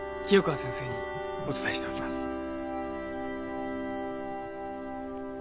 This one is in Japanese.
清河先生にお伝えしておきます。